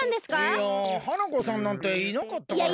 いや花子さんなんていなかったから。